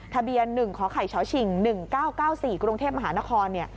ทะเบียน๑ขไข่ชฉิง๑๙๙๔กรุงเทพมหานคร